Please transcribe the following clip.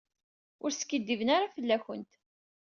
Ur skiddiben ara fell-akent.